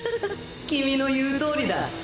君の言うとおりだ。